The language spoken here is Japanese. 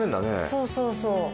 そうそうそう。